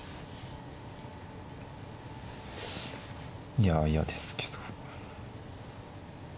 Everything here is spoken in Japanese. いや嫌ですけど。